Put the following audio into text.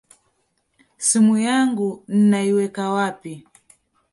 Simu yangu nnnaiweka wapi?